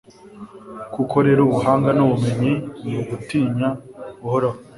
koko rero, ubuhanga n'ubumenyi ni ugutinya uhoraho